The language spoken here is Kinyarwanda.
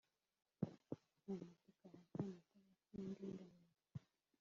cyane tukahaca amaterasi y’indinganire.